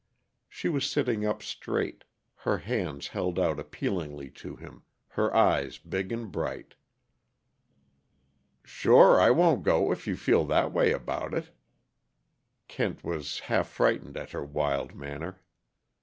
She was sitting up straight, her hands held out appealingly to him, her eyes big and bright. "Sure I won't go if you feel that way about it." Kent was half frightened at her wild manner.